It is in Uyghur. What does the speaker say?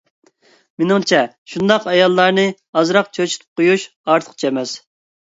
مېنىڭچە شۇنداق ئاياللارنى ئازراق چۆچۈتۈپ قويۇش ئارتۇقچە ئەمەس.